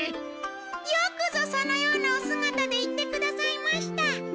よくぞそのようなおすがたで言ってくださいました！